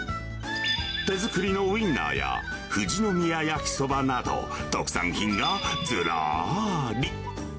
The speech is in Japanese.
手作りのウインナーや富士宮やきそばなど、特産品がずらーり。